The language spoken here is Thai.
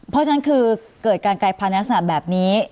เพราะฉะนั้นคือเกิดการกายพันธุ์ลักษณะแบบนี้